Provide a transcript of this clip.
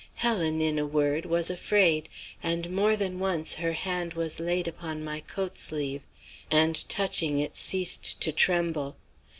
Helen, in a word, was afraid, and more than once her hand was laid upon my coat sleeve, and, touching it, ceased to tremble.